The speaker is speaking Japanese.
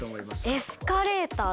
エスカレーター。